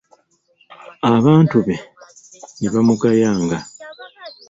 Abantu be ne bamugayanga.